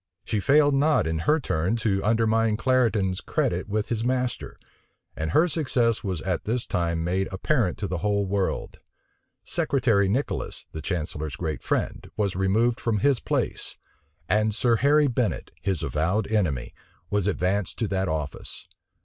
She failed not in her turn to undermine Clarendon's credit with his master; and her success was at this time made apparent to the whole world. Secretary Nicholas, the chancellor's great friend, was removed from his place; and Sir Harry Bennet, his avowed enemy, was advanced to that office.